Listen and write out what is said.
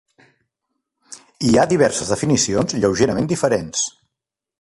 Hi ha diverses definicions lleugerament diferents.